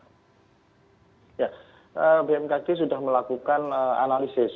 ya bmkg sudah melakukan analisis